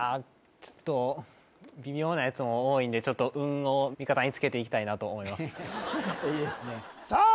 ちょっと微妙なやつも多いんでちょっと運を味方につけていきたいなと思いますいいですねさあ